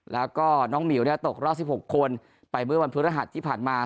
แล้วก็น้องหมิวตกรอบ๑๖คนไปเมื่อวันพฤหัสที่ผ่านมา